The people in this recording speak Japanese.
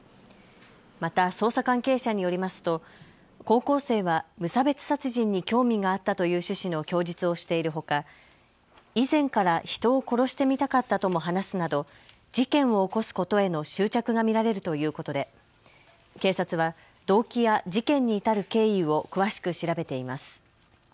また捜査関係者によりますと高校生は無差別殺人に興味があったという趣旨の供述をしているほか以前から人を殺してみたかったとも話すなど事件を起こすことへの執着が見られるということで警察は動機や事件に至る経緯を詳しく調べています。